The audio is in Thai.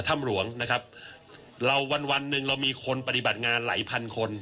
ถ้ำหลวงนะครับเราวันวันหนึ่งเรามีคนปฏิบัติงานหลายพันคน